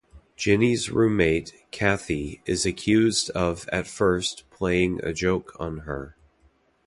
Jenny's roommate, Kathy, is accused of at first playing a joke on her.